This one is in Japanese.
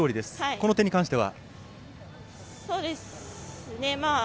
この点に関しては？